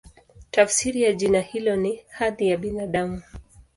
Tafsiri ya jina hilo ni "Hadhi ya Binadamu".